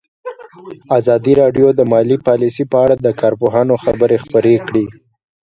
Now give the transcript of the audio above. ازادي راډیو د مالي پالیسي په اړه د کارپوهانو خبرې خپرې کړي.